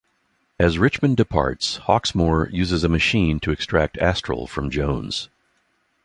As Richmond departs, Hawksmoor uses a machine to extract Astral from Jones.